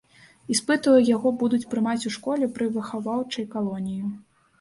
Іспыты ў яго будуць прымаць у школе пры выхаваўчай калоніі.